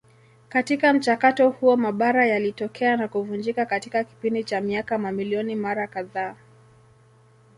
Katika mchakato huo mabara yalitokea na kuvunjika katika kipindi cha miaka mamilioni mara kadhaa.